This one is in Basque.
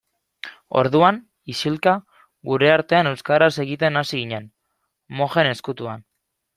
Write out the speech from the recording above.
Orduan, isilka, gure artean euskaraz egiten hasi ginen, mojen ezkutuan.